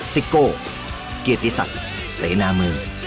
ซิโก้เกียรติศักดิ์เสนาเมือง